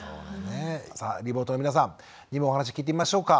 さあリモートの皆さんにもお話聞いてみましょうか。